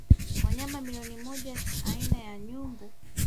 Wanyama milioni moja aina ya nyumbu